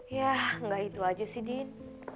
ya nggak itu aja sih din